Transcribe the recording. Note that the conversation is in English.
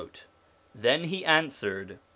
Then he answered (v.